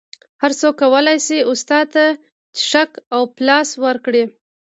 هر څوک کولی شي استاد ته چکش او پلاس ورکړي